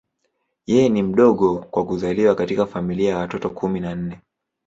Yeye ni mdogo kwa kuzaliwa katika familia ya watoto kumi na nne.